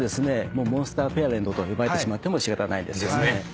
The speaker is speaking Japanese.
もうモンスターペアレントと呼ばれてしまっても仕方ないですよね。